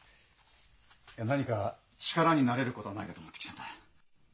いや何か力になれることはないかと思って来たんだ。